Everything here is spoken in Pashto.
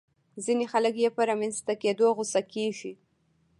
ځينې خلک يې په رامنځته کېدو غوسه کېږي.